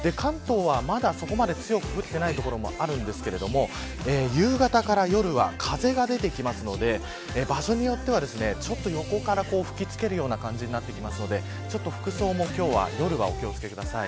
関東は、まだそこまで降っていない所もあるんですが夕方から夜は風が出てきますので場所によっては横から吹き付けるような形になってきますので服装も夜はお気を付けください。